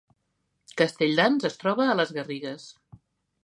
Castelldans es troba a les Garrigues